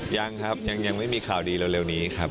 ยังครับยังไม่มีข่าวดีเร็วนี้ครับ